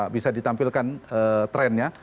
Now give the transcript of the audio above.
bisa ditampilkan trennya